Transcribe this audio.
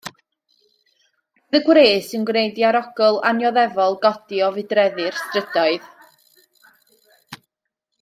Roedd y gwres yn gwneud i arogl annioddefol godi o fudreddi'r strydoedd.